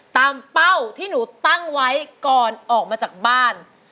เป้าที่หนูตั้งไว้ก่อนออกมาจากบ้าน